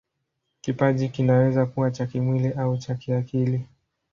Kipaji kinaweza kuwa cha kimwili au cha kiakili.